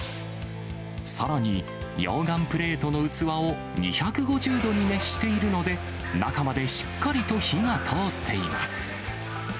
さらに、溶岩プレートの器を２５０度に熱しているので、中までしっかりと火が通っています。